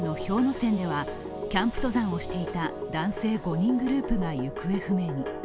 山ではキャンプ登山をしていた男性５人グループが行方不明に。